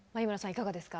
いかがですか？